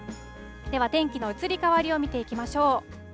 では天気の移り変わりを見ていきましょう。